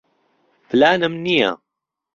پلانم نییە.